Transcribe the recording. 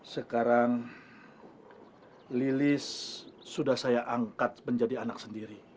sekarang lilis sudah saya angkat menjadi anak sendiri